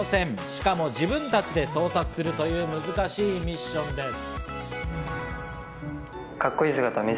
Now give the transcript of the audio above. しかも、自分たちで創作するという難しいミッションです。